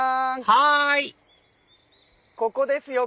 はいここですよ！